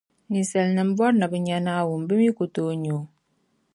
Ninsalinima bɔri ni bɛ nya Naawuni bɛ mi ku tooi nya o.